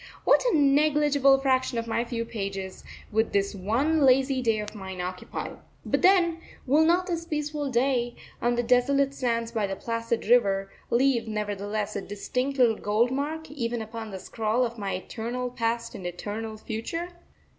What a negligible fraction of my few pages would this one lazy day of mine occupy! But then, will not this peaceful day, on the desolate sands by the placid river, leave nevertheless a distinct little gold mark even upon the scroll of my eternal past and eternal future?